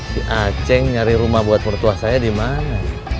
si aceh nyari rumah buat mertua saya di mana